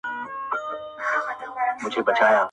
په تعظيم ورته قاضي او وزيران سول!!